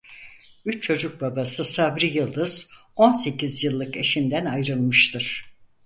Üç çocuk babası Sabri Yıldız on sekiz yıllık eşinden ayrılmıştır.